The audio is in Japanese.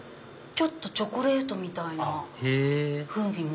チョコレートみたいな風味も。